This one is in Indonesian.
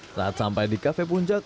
saat sampai di kafe puncak